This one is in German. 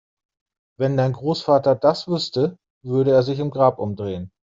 Wenn dein Großvater das wüsste, würde er sich im Grab umdrehen!